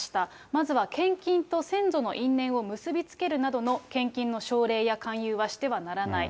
まずは献金と先祖の因縁を結び付けるなどの献金の奨励や勧誘はしてはならない。